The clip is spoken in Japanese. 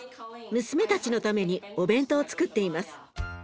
娘たちのためにお弁当をつくっています。